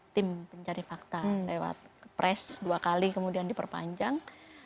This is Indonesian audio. tim pencari fakta lewat kepres dua kali kemudian diperpanjang